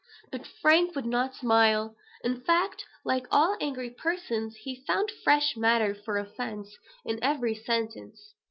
But Frank would not smile. In fact, like all angry persons, he found fresh matter for offence in every sentence.